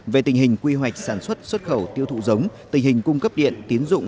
về tình hình quy hoạch sản xuất xuất khẩu tiêu thụ giống tình hình cung cấp điện tiến dụng